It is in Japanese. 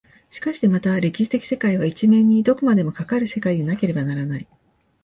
しかしてまた歴史的世界は一面にどこまでもかかる世界でなければならない。